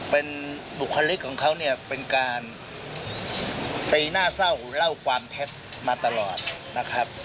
เป็นบุคลิกของเขาเนี่ยเป็นการตีหน้าเศร้าเล่าความเท็จมาตลอดนะครับ